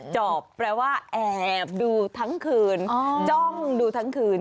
จอบแปลว่าแอบดูทั้งคืนจ้องดูทั้งคืน